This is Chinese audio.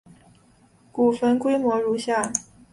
古坟规模如下。